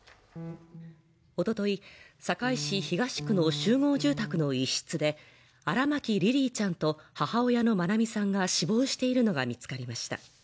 おととい堺市東区の集合住宅の一室で荒牧リリィちゃんと母親の愛美さんが死亡しているのが見つかりました